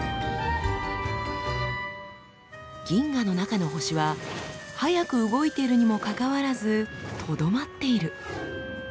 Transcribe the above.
銀河の中の星は速く動いているにもかかわらずとどまっている。